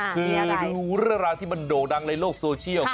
คือดูเรื่องราวที่มันโด่งดังในโลกโซเชียล